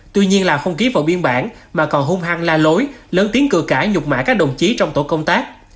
tuy nhiên lào không ký vào biên bản mà còn hung hăng la lối lớn tiếng cửa cãi nhục mã các đồng chí trong tổ công tác